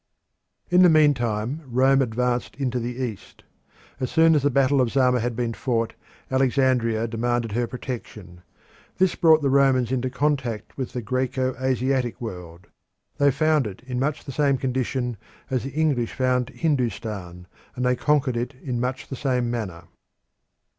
In the meantime Rome advanced into the East. As soon as the battle of Zama had been fought Alexandria demanded her protection. This brought the Romans into contact with the Graeco Asiatic world; they found it in much the same condition as the English found Hindustan, and they conquered it in much the same manner.